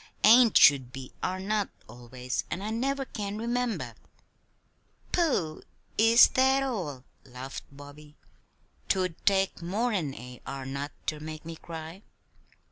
"'Ain't' should be 'are not' always, and I never can remember." "Pooh! Is that all?" laughed Bobby. "'Twould take more'n a 'are not' ter make me cry."